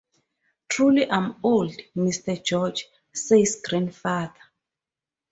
"Truly I'm old, Mr. George," says Grandfather.